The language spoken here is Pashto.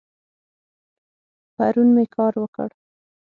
پرون می کار وکړ